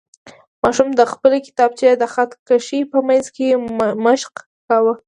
ماشوم د خپلې کتابچې د خط کشۍ په منځ کې مشق کاوه.